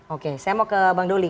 oke saya mau ke bang doli